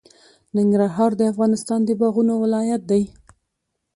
ننګرهار د افغانستان د باغونو ولایت دی.